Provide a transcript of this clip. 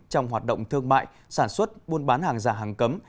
trong hoạt động thương mại sản xuất buôn bán hàng giả hàng cấm